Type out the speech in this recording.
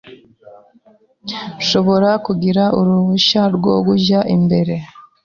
Nshobora kugira uruhushya rwo kujya imbere?